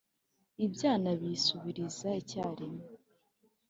ibyana biyisubiriza icyarimwe,